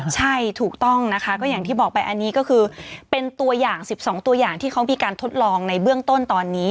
ใช่ถูกต้องนะคะก็อย่างที่บอกไปอันนี้ก็คือเป็นตัวอย่าง๑๒ตัวอย่างที่เขามีการทดลองในเบื้องต้นตอนนี้